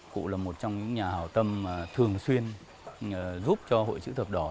cụ là một trong những nhà hào tâm thường xuyên giúp cho hội chữ thập đỏ